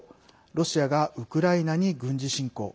ロシアがウクライナに軍事侵攻。